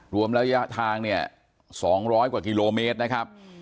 รวมระยะทางเนี่ย๒๐๐กว่ากิโลเมตรนะครับ